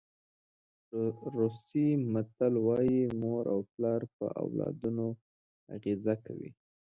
روسي متل وایي مور او پلار په اولادونو اغېزه کوي.